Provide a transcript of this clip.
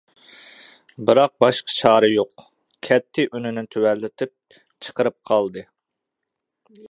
بىراق، باشقا چارە يوق. كەتتى ئۈنىنى تۆۋەنلىتىپ چىقىرىپ قالدى.